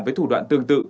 với thủ đoạn tương tự